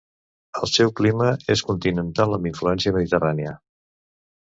El seu clima és continental amb influència mediterrània.